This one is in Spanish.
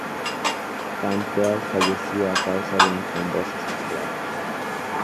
Campbell falleció a causa de una trombosis cerebral.